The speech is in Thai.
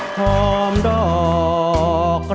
คลอมดอก